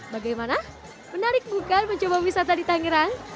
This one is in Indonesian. bagaimana menarik bukan mencoba wisata di tangerang